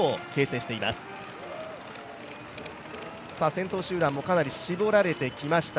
先頭集団もかなり絞られてきました。